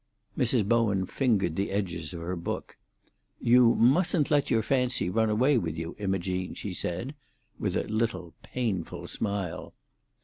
Mrs. Bowen fingered the edges of her book. "You mustn't let your fancy run away with you, Imogene," she said, with a little painful smile.